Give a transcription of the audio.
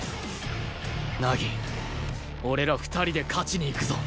凪俺ら２人で勝ちにいくぞ。